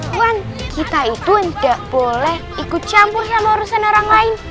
tuan kita itu tidak boleh ikut campur sama urusan orang lain